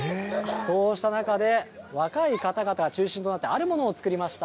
そうした中で、若い方々中心となって、あるものを作りました。